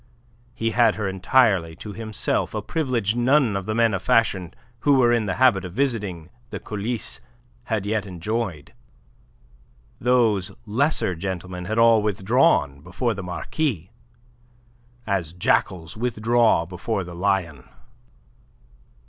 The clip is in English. He had her entirely to himself, a privilege none of the men of fashion who were in the habit of visiting the coulisse had yet enjoyed. Those lesser gentlemen had all withdrawn before the Marquis, as jackals withdraw before the lion.